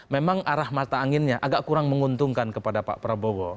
memang arah mata anginnya agak kurang menguntungkan kepada pak prabowo